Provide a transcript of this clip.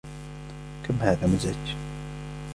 كم هذا مزعج!